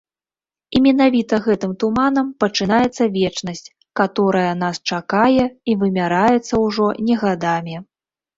І менавіта гэтым туманам пачынаецца вечнасць, каторая нас чакае і вымяраецца ўжо не гадамі.